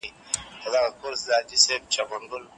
سندرې د تنفسي ستونزې کموي.